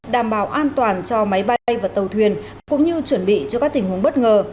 đảm bảo an toàn cho máy bay và tàu thuyền cũng như chuẩn bị cho các tình huống bất ngờ